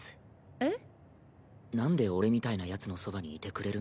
えっ？